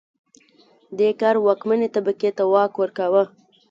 دې کار واکمنې طبقې ته واک ورکاوه